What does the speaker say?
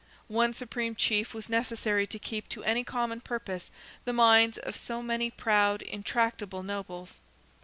One supreme chief was necessary to keep to any common purpose the minds of so many proud, intractable nobles.